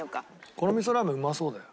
このみそラーメンうまそうだよ。